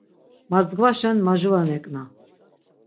Mardzgvaşen majura neǩna.